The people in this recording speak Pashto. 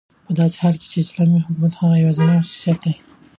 په داسي حال كې چې دا داسلامي حكومت هغه يوازينى خصوصيت دى